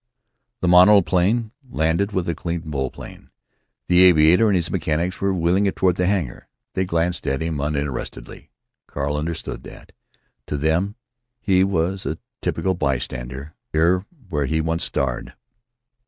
The monoplane landed with a clean volplane. The aviator and his mechanicians were wheeling it toward the hangar. They glanced at him uninterestedly. Carl understood that, to them, he was a Typical Bystander, here where he had once starred.